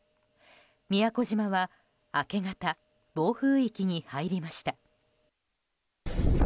宮古島は明け方、暴風域に入りました。